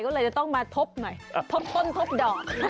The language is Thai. ก็เลยจะต้องมาทบหน่อยทบต้นทบดอก